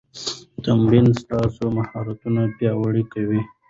تمرین ستاسو مهارتونه پیاوړي کوي.